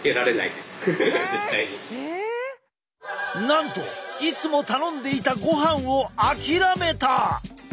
なんといつも頼んでいたごはんを諦めた！